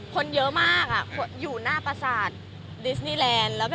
คนเยอะมากอยู่หน้าประสาทดิสนีแลนด์